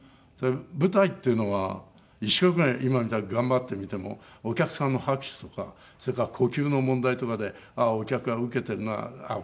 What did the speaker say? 舞台っていうのは一生懸命今みたいに頑張ってみてもお客さんの拍手とかそれから呼吸の問題とかでああお客がウケてんなあ